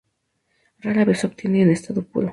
Rara vez se obtiene en estado puro.